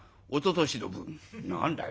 「おととしの分」。